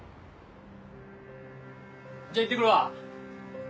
じゃあ行ってくるわ。